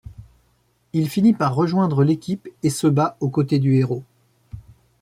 Il finit par rejoindre l'équipe et se bat aux côtés du héros.